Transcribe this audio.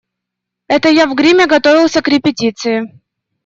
Это я в гриме готовился к репетиции.